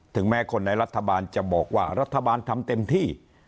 แม้คนในรัฐบาลจะบอกว่ารัฐบาลทำเต็มที่